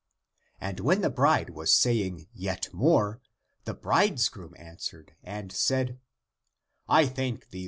And when the bride was saying yet more, the bridegroom answered and said, " I thank thee.